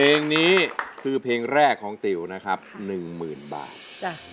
เพลงนี้คือเพลงแรกของติ๋วนะครับ๑๐๐๐บาท